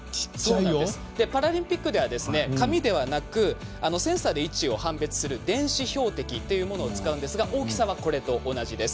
パラリンピックでは紙ではなくセンサーで位置を判別する電子標的というものを使うんですが大きさは、これと同じです。